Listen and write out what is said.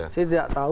saya tidak tahu